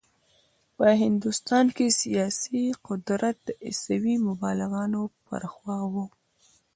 په هندوستان کې سیاسي قدرت د عیسوي مبلغانو پر خوا و.